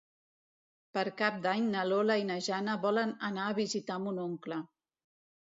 Per Cap d'Any na Lola i na Jana volen anar a visitar mon oncle.